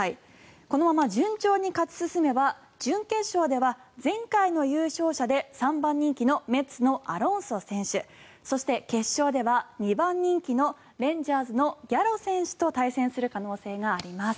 このまま順調に勝ち進めば準決勝では前回の優勝者で３番人気のメッツのアロンソ選手そして決勝では２番人気のレンジャーズのギャロ選手と対戦する可能性があります。